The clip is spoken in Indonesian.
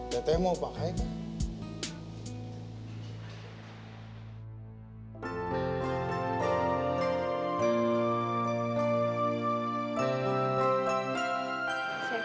teteh mau pakai teh